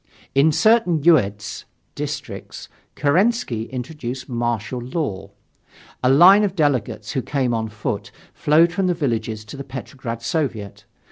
In certain uyezds (districts) Kerensky introduced martial law. A line of delegates, who came on foot, flowed from the villages to the Petrograd Soviet.